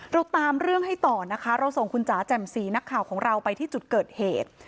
เราตามเรื่องให้ต่อนะคะเราส่งคุณจ๋าแจ่มสีนักข่าวของเราไปที่จุดเกิดเหตุ